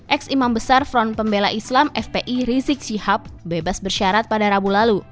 ex imam besar front pembela islam fpi rizik syihab bebas bersyarat pada rabu lalu